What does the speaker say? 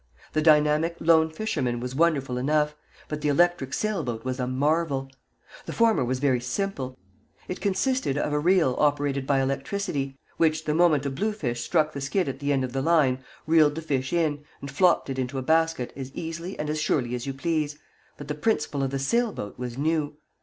The dynamic Lone Fisherman was wonderful enough, but the electric sail boat was a marvel. The former was very simple. It consisted of a reel operated by electricity, which, the moment a blue fish struck the skid at the end of the line, reeled the fish in, and flopped it into a basket as easily and as surely as you please; but the principle of the sailboat was new.